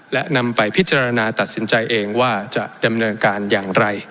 และนำไปพิจารณาตัดสินใจเองว่าจะดำเนินการอย่างไร